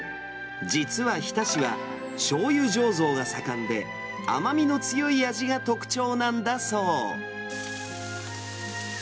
実は日田市は、しょうゆ醸造が盛んで、甘みの強い味が特徴なんだそう。